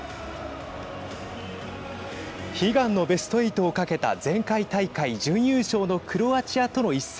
悲願のベスト８を懸けた前回大会準優勝のクロアチアとの一戦。